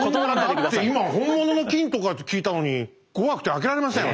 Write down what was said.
そんなだって今本物の金とかって聞いたのに怖くて開けられません私。